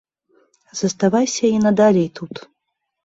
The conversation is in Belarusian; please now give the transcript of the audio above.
Заставайся і надалей тут.